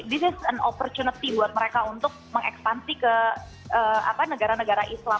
this is and opportunity buat mereka untuk mengekspansi ke negara negara islam